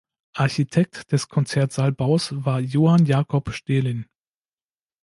Architekt des Konzertsaal-Baus war Johann Jakob Stehlin.